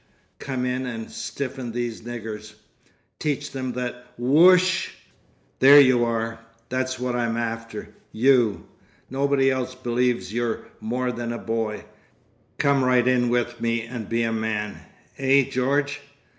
Come in and stiffen these niggers. Teach them that wo oo oo oo osh. There you are! That's what I'm after. You! Nobody else believes you're more than a boy. Come right in with me and be a man. Eh, George?